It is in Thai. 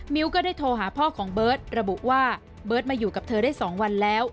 ก็ได้โทรหาพ่อของเบิร์ตระบุว่าเบิร์ตมาอยู่กับเธอได้๒วันแล้ว